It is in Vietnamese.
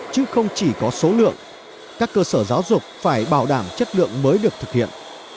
chứ không chỉ có số lượng các cơ sở giáo dục phải bảo đảm chất lượng mới được thực hiện